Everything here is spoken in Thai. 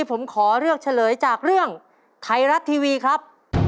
ผมขอเลือกเฉลยจากเรื่องไทยรัฐทีวีครับ